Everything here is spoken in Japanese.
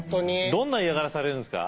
どんな嫌がらせされるんですか？